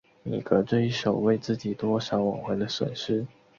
米格这一手为自己多少挽回了损失。